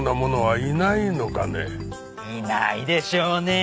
いないでしょうね。